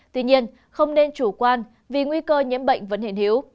tuy nhiên không nên chủ quan vì nguy cơ nhiễm bệnh vẫn hiện hiếu